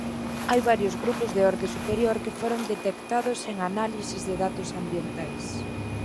Hai varios grupos de orde superior que foron detectados en análises de datos ambientais.